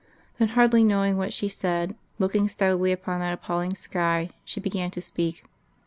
Then, hardly knowing what she said, looking steadily upon that appalling sky, she began to speak....